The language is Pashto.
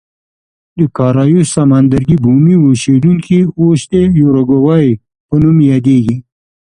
د کارایوس سمندرګي بومي اوسېدونکي اوس د یوروګوای په نوم یادېږي.